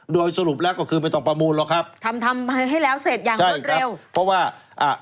โดยสรุปแล้วก็คือไม่ต้องประมูลหรอกครับทำทำให้แล้วเสร็จอย่างรวดเร็วเพราะว่าอ่า